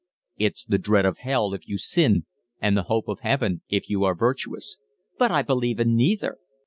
"It's the dread of hell if you sin and the hope of Heaven if you are virtuous." "But I believe in neither."